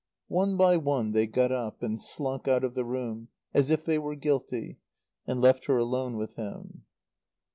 One by one they got up, and slunk out of the room, as if they were guilty, and left her alone with him.